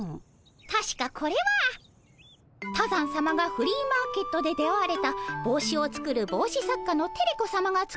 たしかこれは多山さまがフリーマーケットで出会われたぼうしを作るぼうし作家のテレ子さまが作られたおぼうしで。